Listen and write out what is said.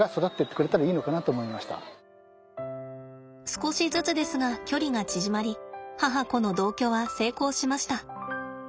少しずつですが距離が縮まり母子の同居は成功しました。